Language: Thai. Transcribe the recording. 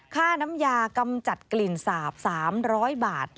ค่าน้ำยากำจัดกลิ่นสาบ๓๐๐บาท